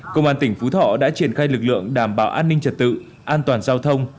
công an tỉnh phú thọ đã triển khai lực lượng đảm bảo an ninh trật tự an toàn giao thông